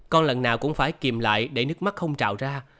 con lần nào cũng phải kìm lại để nước mắt không trào ra